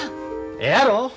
ええやろ！